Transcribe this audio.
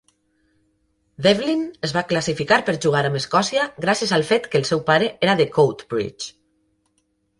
Devlin es va classificar per jugar amb Escòcia gràcies al fet que el seu pare era de Coatbridge.